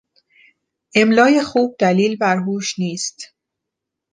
املای خوب دلیل بر هوش نیست.